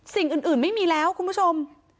สิ่งอื่นไม่มีแล้วคุณผู้ชม